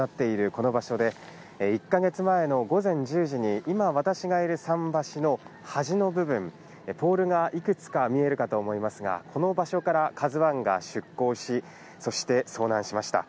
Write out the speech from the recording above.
この場所で、１か月前の午前１０時に今、私がいる桟橋の端の部分、ポールがいくつか見えるかと思いますが、この場所からＫＡＺＵＩが出港し、そして、遭難しました。